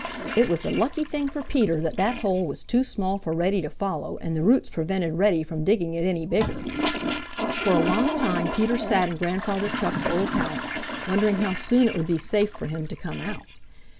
It was a lucky thing for Peter that that hole was too small for Reddy to follow and the roots prevented Reddy from digging it any bigger. For a long time Peter sat in Grandfather Chuck's old house, wondering how soon it would be safe for him to come out.